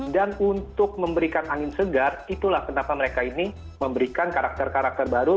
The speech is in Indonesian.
dan untuk memberikan angin segar itulah kenapa mereka ini memberikan karakter karakter baru